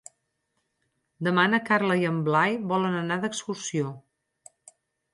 Demà na Carla i en Blai volen anar d'excursió.